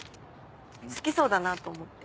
好きそうだなと思って。